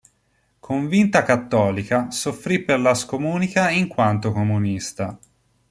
Convinta cattolica, soffrì per la scomunica in quanto comunista.